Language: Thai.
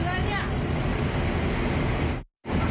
ทางตอนนี้